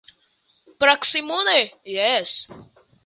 Proksimume, jes.